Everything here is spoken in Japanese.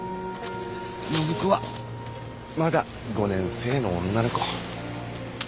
暢子はまだ５年生の女の子。